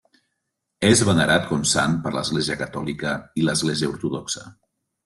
És venerat com sant per l'Església Catòlica i l'Església Ortodoxa.